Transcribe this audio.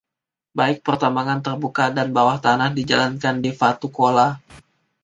Baik pertambangan terbuka dan bawah tanah dijalankan di Vatukoula.